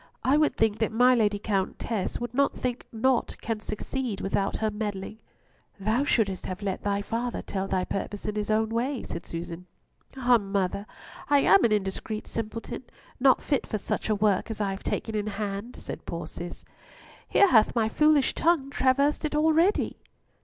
I would that my Lady Countess would not think naught can succeed without her meddling." "Thou shouldst have let father tell thy purpose in his own way," said Susan. "Ah! mother, I am an indiscreet simpleton, not fit for such a work as I have taken in hand," said poor Cis. "Here hath my foolish tongue traversed it already!"